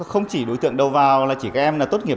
không chỉ đối tượng đầu vào là chỉ các em là tốt nghiệp